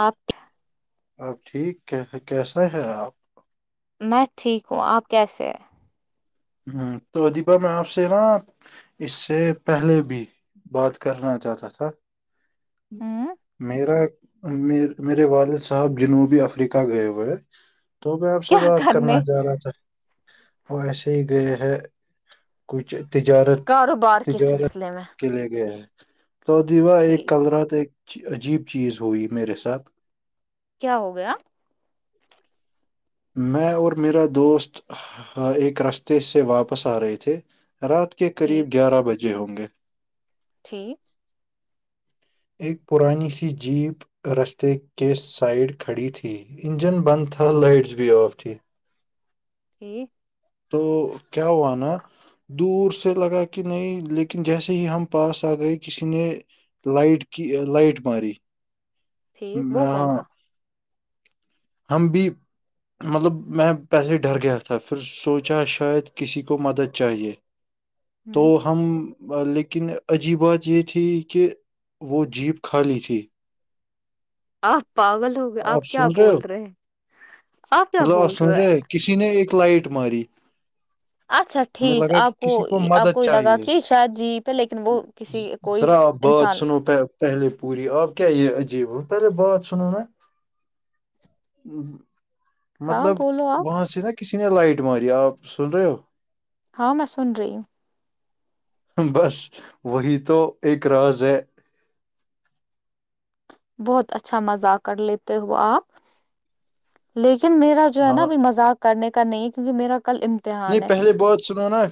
آپ اب ٹھیک کیسے ہیں آپ میں ٹھیک ہوں آپ کیسے ہیں ہ تو ادیپا میں آپ سے نا اس سے پہلے بھی بات کرنا چاہتا تھا ہ میرا میرے والد صاحب جنوبی افریقہ گئے ہوئے تو میں آپ کیا سے بات کرنے کرنا چاہ رہا تھا ویسے گئے ہے کچھ تجارت کاروبار کے تجارت سلسلے میں کے لے گیا ہے تو دیوا ایک ٹھیک کل رات ایک عجیب چیز ہوئی میرے ساتھ کیا ہو گیا میں اور میرا دوست ایک رستے سے واپس آ رہے تھے رات کے ٹھیک قریب گیارہ بجے ہوں گے ٹھیک ایک پرانی سی جیپ رستے کے سائڈ کھڑی تھی انجن بند تھا لائٹس بھی آف تھی ایک تو کیا ہوا نا دور سے لگا کہ نہیں لیکن جیسے ہی ہم پاس آ گئے کسی نے لائٹ کی لائٹ ماری ٹھیک م- وہ کون ہاں تھا ہم بھی مطلب میں پہلے ڈر گیا تھا پھر سوچا شاید کسی کو مدد چاہیے اچھا تو ہم لیکن عجیب بات یہ تھی کہ وہ جیپ کھای تھی آپ پاگل ہو گئے آپ کیا بول رہے ہیں آپ کیا مطلب بول رہے ہو سمجرے کسی نے ایک لائٹ ماری اچھا ہمیں ٹھیک لگا کہ آپ کو کسی آپ مدد کو یہ لگا چاہیے کہ شاید جی پہ لیکن وہ ز- کسی کوئی ذرا آپ بات انسان سنو پہلے پوری آپ کیا یہ عجیب پہلے بات سنو نا ہاں مطلب بولو آپ وہاں سے نا کسی نے لائٹ ماری آپ سن رہے ہو ہاں میں سن رہی ہ بس وہی تو ایک راز ہے بہت اچھا مزاق کر لیتے ہو آپ لیکن میرا جو ہے ہاں نا ابھی مذاق کرنے کا نہیں ہے کیونکہ میرا کل نہیں امتحان ہے پہلے بات سنو نا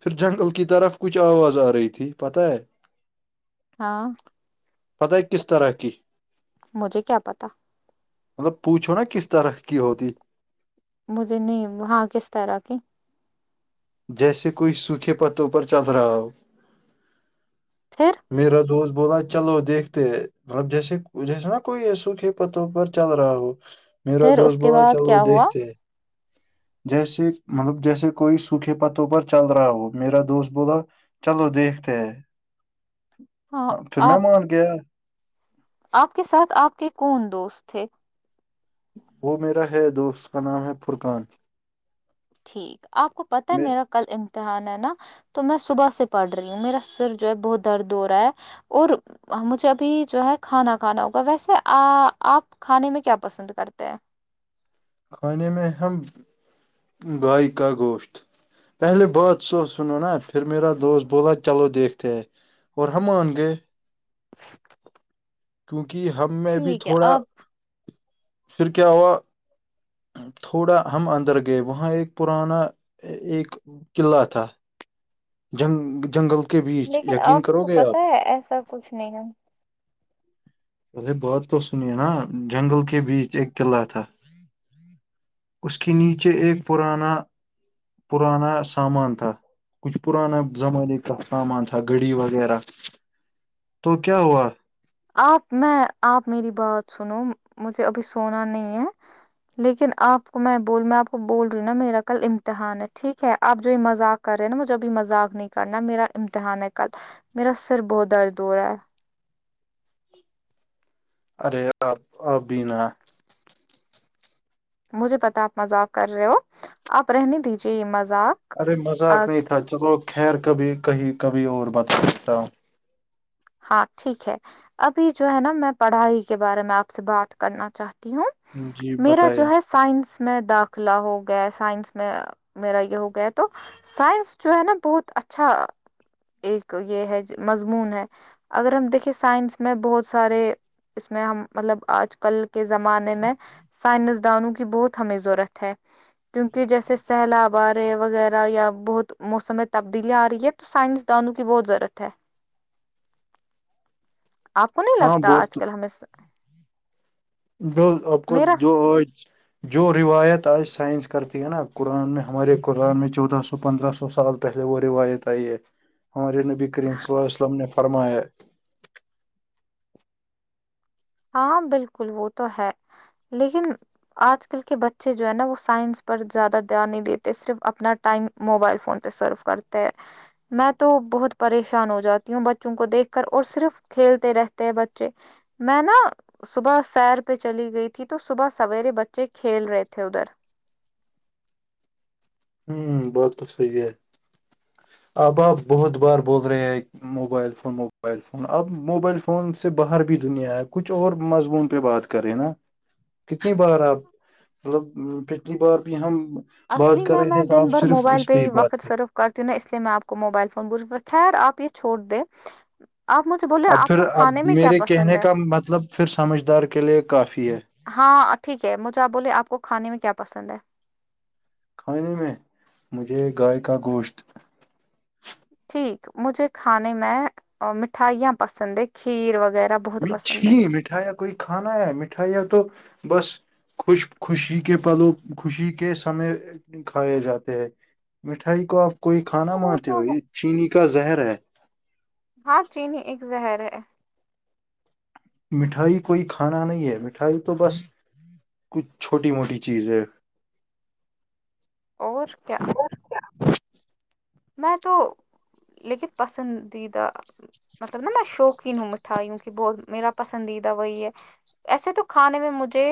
پھر جنگل کی طرف کچھ آواز آ رہی تھی پتاہ ہے ہاں پت کس طرح کی مجھے کیا پتا مطلب پوچھو نا کس طرح کی ہوتی مجھے نہیں وہاں کس طرح کی جیسے کوئی سوکھے پتوں پر چل رہا ہو پھر میرا دوست بولتا چلو دیکھتے مطلب جیسے جیسے نا کوئی سوکھے پتوں پر چل رہا ہو میرا پھر اس دوست کے بولا بعد چلو کیا ہوا دیکھتے جیس مطلب جیسے کوئی سکھے پتوں پر چل رہا ہو میرا دوست بولا چلو دیکھتے ہیں ہاں پھر میں مان کے آپ کے ساتھ آپ کے کون دوست تھے وہ میرا ہے دوست کا نام ہے فرقان ٹھیک آپ کو پتہ ہے میں میرا کل امتحان ہے نا تو میں صبح سے پڑ رہی ہوں میرا سر جو ہے بہت درد ہو رہا ہے اور مجھے ابھی جو ہے کھانا کھانا ہوگا ویسے آپ کھانے میں کیا پسند کرتے ہیں کھانے میں اہم گائے کا گوشت پہلے بہت سو سنو نا پھر میرا دوست بولا چلو دیکھتے ہیں اور ہمانون گے ایک کیونکہ ہم میں بھی تھوڑا آپ پھر کیا ہوا تھوڑا ہم اندر گئے وہاں ایک پرانا ایک قلعہ تھا جنگ جنگل کے بیچ لیکن یقین آپ کرو کو گے پت آپ ہے ایسا کچھ نہیں ہے ارے بات تو سنیے نا جنگل کے بیچ ایک قلعہ تھا اس کے نیچے ایک پرانا پرانا سامان تھا کچھ پرانا زمانے کا سامان تھا گڈی وغیرہ تو کیا ہوا آپ میں آپ میری بات سنو مجھے ابھی سونا نہیں ہے لیکن آپ کو میں بول میں آپ کو بول رہی ہوں نا میرا کل امتحان ہے ٹھیک ہے آپ جو یہ مذاق کر رہے ہیں نا مجھے ابھی مذاق نہیں کرنا میرا امتحان ہے کل میرا سر بہت درد ہو رہا ہے ایک ارے ابین مجھے پتا آپ مذاق کر رہے ہو آپ رہنے دیجیے یہ مذاق ارے مذاق نہیں تھا چلو خیر کبھی کہیں کبھی اور بتا سکتا ہوں ہاں ٹھیک ہے ابھی جو ہے نا میں پڑھائی کے بارے میں آپ سے بات کرنا چاہتا ہوں جی میرا جو بتائیے ہے سائنس میں داخلہ ہو گیا سائنس میں میرا یہ ہو گیا تو سائنس جو ہے نا بہت اچھا ایک یہ ہے مضمون ہے اگر ہم دیکھیں سائنس میں بہت سارے اس میں ہم مطلب آج کل کے زمانے میں سائنسدانوں کی بہت ہمیں ضرورت ہے کیوںونکہ جیسے سیلاب آ رہے وغیرہ یا بہت موسم تبدیلیا آ رہی ہے تو سائنس دانوں کی بہت ضرورت ہے آپ کو نہیں ہاں لگتا آج بہت کل ہمیں جو آپ کو میرا جو ہویچ جو روایت آج سائنس کرتی ہے نا قرآن میں ہمارے قرآن میں چودہ سو پندرہ سو سال پہلے وہ روایت آئی ہے ہمارے نبی کریم صلی اللہ وسلم نے فرمایا ہاں بالکل وہ تو ہے لیکن آج کل کے بچے جو ہے نا وہ سائنس پر زیادہ دھیان نہیں دیتے صرف اپنا ٹائم موبائل فون پہ سروف کرتے ہے میں تو بہت پریشان ہو جاتی ہوں بچوں کو دیکھ کر اور صرف کھیلتے رہتے ہیں بچے میں نا صبح سیر پہ چلی گئی تھی تو صبح سویرے بچے کھیل رہے تھے ادھر ہوں بہت کچھ تو یہ آپ آپ بہت بار بول رہے ہیں موبائل فون موبائل فون اب موبائل فون سے باہر بھی دنیا ہے کچھ اور مضمون پہ بات کرے نا [inaudible] کتنی بار آپ مطلب کتن بار بہ ہم بات اصلی کر میں رہے میں تھے تو دن آپ بھر صرف موبائل اس پہ ہی بات وقت کر صرف کرتی ہوں نا اس لیے میں آپ کو موبائل فون پر خیر آپ یہ چھوڑ دے آپ مجھ سے بہت اب پھر اب میرے کہنے کا مطلب پھر سمجھدار کے لیے کافی ہے ہاں ٹھیک اب مجھے آپ بولیے آپ کو کھانے میں کیا پسند ہے کھانے میں مجھے گائے کا گوشت ٹھیک مجھے کھانے میں مٹھائیاں پسند ہے کھیر وغیرہ بہت پسند چھی ہے مٹھائیا کوئی کھانا ہے مٹھائیاں تو بس خوش خوشی کے پلوں خوشی کے سمے کھائے جاتے ہیں مٹھائی کو آپ کوئی کھانا وہ مانتے تو ہو یہ چینی کا زہر ہے ہاں چینی ایک زہر ہے مٹھائی کوئی کھانا نہیں ہے مٹھائی تو بس کچھ چھوٹی موٹی چیز ہے اور کیا میں تو لیکن پسندیدہ مطلب نا میں شوقین ہوں میٹھائیوں کی بہت میرا پسندیدہ وہی ہے ایسے تو کھانے میں مجھے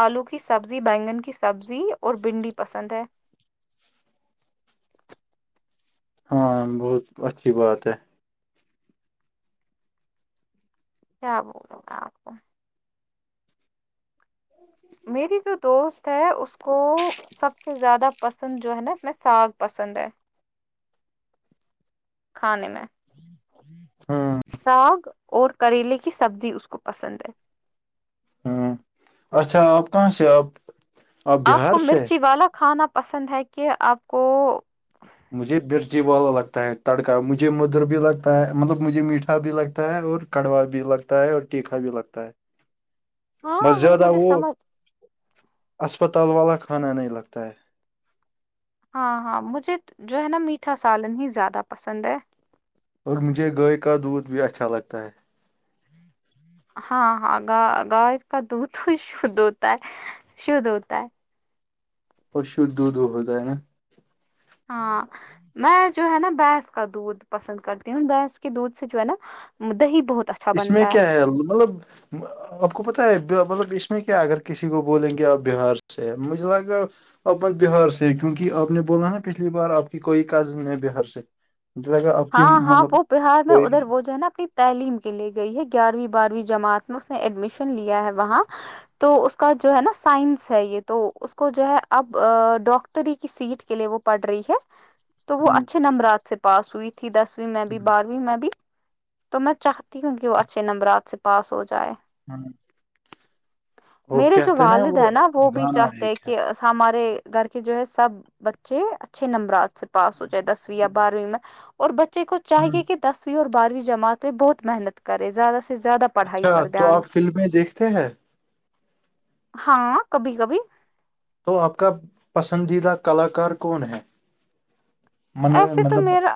آلو کی سبزی بینگن کی سبزی اور بھنڈی پسند ہے ہاں بہت اچھی بات ہے کیا بولوں آپ کو میری جو دوست اس کو سب سے زیادہ پسند جو ہے نا اس میں ساگ پسند ہے کھانے میں ہاں ساگ اور کریلے کی سبزی اس کو پسند ہے ہوں اچھا آپ کہاں سے آپ آپ بہار کو سے مرچی والا کھانا پسند ہے کہ آپ کو مجھے مرچی والا لگتا ہے تڑکا مجھے مزیدار بھی لگتا ہے مطلب مجھے میٹھا بھی لگتا ہے اور کڑوا بھی لگتا ہے اور تیکھا بھی لگتا ہے [unintelligible] بس زیادہ مجھے وہ سمجھ اسپتال والا کھانا نہیں لگتا ہے ہاں ہاں مجھے جو ہے نا میٹھا سالن ہی زیادہ پسند ہے اور مجھے گائے کا دودھ بھی اچھا لگتا ہے ہاں ہاں گ گائے کا دودھ تو شدھ ہوتا ہے شدھ ہوتا ہے اور شدھ دودھ ہوتا ہے نا ہاں میں جو ہے نا بھینس کا دودھ پسند کرتی ہوں بھینس کے دودھ سے جو ہے نا دی بہت اچھا اس میں کیا ہے مطلب آپ کو پتہ ہے مطلب اس میں کیا اگر کسی کو بولیں گے آ بہار سے مجھے لگا اب م بہار سے کیونکہ آپ نے بولا نا پچھلی بار آپ کی کوئی کزن ہے بہار سے [unintelligible] ہاں ہاں مطلب وہ بہار میں کوئی ادھر وہ جو ہے نا اپنی تعلیم کے لیے گئی ہے گیارہویں بارہویں جماعت میں اس نے ایڈمیشن لیا ہے وہاں تو اس کا جو ہے نا سائنس ہے یہ تو اس کو جو ہے اب ڈاکٹر ری کی سیٹ کے لیے وہ پڑ رہی ہے تو وہ اچھے ہ نمبرات سے پاس ہوئی تھی دسویں میں ہ بھی بارہویں میں بھی تو میں چاہتی ہوں کہ وہ اچھے نمبرات سے پاس ہو جائے ہاں وہ میرے جو کہتے والد ہیں نا وہ بھی گانا چاہتے ہیں ایک ہے کہ ہمارے گھر کے جو ہے سب بچے اچھے نمبرات سے پاس ہو جائے دسویں یا بارہویں میں اور بچے کو ہ چاہیے کہ دسویں اور بارہویں جماع پہ بہت محنت کرے زیادہ سے زیادہ پڑھائی اچھا پر تو دھیان آپ فلمیں دیکھتے ہیں ہاں کبھی کبھی تو آپ کا پسندیدہ کلاکار کون ہے من ایسے تو مطلب میرا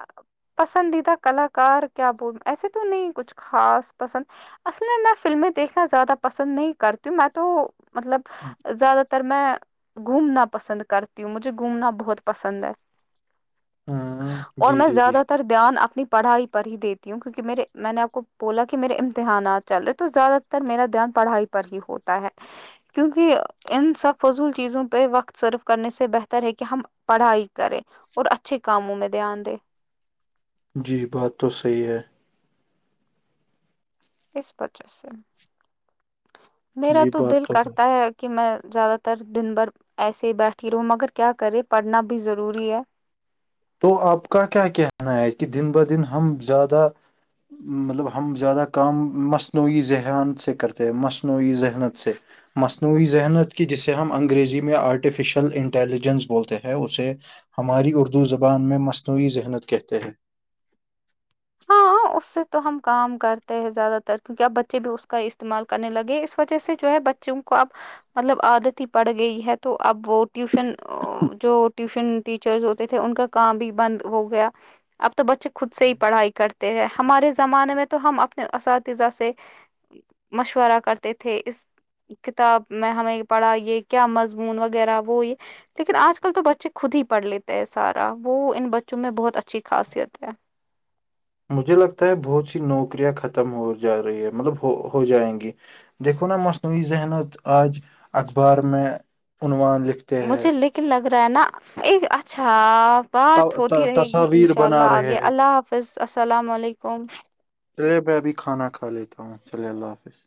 پسندیدہ کلاکار کیا بول ایسے تو نہیں کچھ خاص پسند اصل میں میں فلمیں دیکھنا زیادہ پسند نہیں کرتی ہوں میں تو مطلب ہوں زیادہ تر میں گھومنا پسند کرتی ہوں مجھے گھومنا بہت پسند ہے ہاں اور میں زیادہ تر دھیان اپنی پڑھائی پر ہی دیتی ہوں کیونکہ میرے میں نے آپ کو بولا کہ میرے امتحانات چل رہے تو زیادہ میرا دھیان پڑھائی پر ہی ہوتا ہے کیونکہ ان سب فضول چیزوں پہ وقت سرو کرنے سے بہتر ہے کہ ہم پڑھائی کرے اور اچھے کاموں میں دھیان دے جی بات تو صحیح ہے اس وجہ سے میرا تو دل کرتا ہے کہ میں زیادہ تر دن بھر ایسے ہی بیٹھی رہوں مگر کیا کرے پڑھنا بھی ضروری ہے تو آپ کا کیا کہنا ہے کہ دن دن ہم زیادہ مطلب ہم زیادہ کام مصنوعی ذہان سے کرتے ہیں مصنوعی ذہنت سے مصنوعی ذہنت کی جسے ہم انگریزی میں آرٹیفیشیل انٹیلیجنس بولتے ہیں اسے ہماری اردو زبان میں مصنوعی ذہنت کہتے ہیں ہاں اس سے تو ہم کام کرتے ہیں زیادہ تر کیونکہ اب بچے بھی اس کا استعمال کرنے لگے اس وجہ سے جو ہے بچے کو اب مطلب عادت ہی پڑ گئی ہے تو اب وہ ٹیوشن جو ٹیوشن ٹیچر ہوتے تھے ان کا کام بھی بند ہو گیا اب تو بچے خود سے ہی پڑھائی کرتے ہیں ہمارے زمانے میں تو ہم اپنے اساتذہ سے مشورہ کرتے تھے اس کتاب میں ہمیں پڑھا یہ کیا مضمون وغیرہ وہ یہ لیکن آج کل تو بچے خود ہی پڑھ لیتے ہیں سارا وہ ان بچوں میں بہت اچھی خاصیت ہے مجھے لگتا ہے بہت سی نوکریاں ختم ہو جا رہی ہے مطلب ہو ہو جائیں گی دیکھو نا مصنوعی ذحنت آج اخبار میں عنوان ہیں مجھے لیکن لگ رہا ہے نا ایک اچھا بات ت- ہوتی ت- رہے گی تصاویر انشاء بنا اللہ رہے آگے ہیں اللہ حافظ السلام علیکم چلیے میں ابھی کھانا کھا لیتا ہوں چلے اللہ حافظ